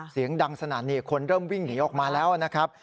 เสียงดังสนั่นคนเริ่มวิ่งหนีออกมาแล้วนะครับ